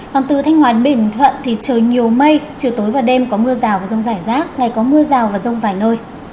còn từ thanh hóa bình thuận thì trời nhiều mây chiều tối và đêm có mưa rào và rông rải rác ngày có mưa rào và rông vài nơi